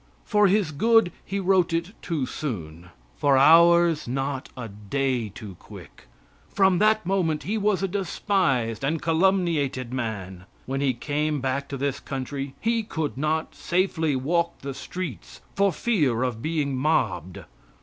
For his good, he wrote it too soon; for ours, not a day too quick. From that moment he was a despised and calumniated man. When he came back to this country he could not safely walk the streets for fear of being mobbed.